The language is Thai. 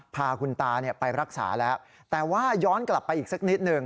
พาคุณตาไปรักษาแล้วแต่ว่าย้อนกลับไปอีกสักนิดหนึ่ง